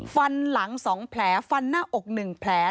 ฟันหลัง๒แผลฟันหน้าอก๑แผล